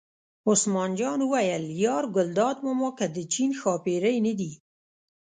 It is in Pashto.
عثمان جان وویل: یار ګلداد ماما که د چین ښاپېرۍ نه دي.